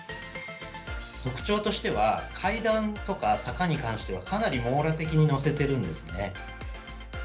特徴としては、階段とか坂に関してはかなり網羅的に載せているんですね。